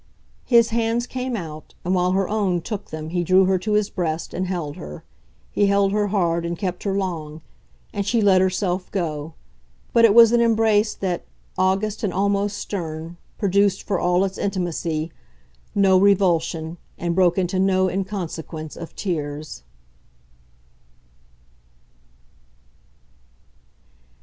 His hands came out, and while her own took them he drew her to his breast and held her. He held her hard and kept her long, and she let herself go; but it was an embrace that, august and almost stern, produced, for all its intimacy, no revulsion and broke into no inconsequence of tears.